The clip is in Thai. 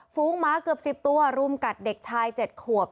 ฝูงหมาเกือบ๑๐ตัวรุมกัดเด็กชาย๗ขวบ